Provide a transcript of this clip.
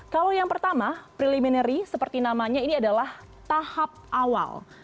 kalau yang pertama preliminary seperti namanya ini adalah tahap awal